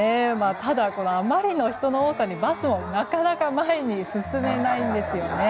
ただ、あまりの人の多さにバスもなかなか前に進めないんです。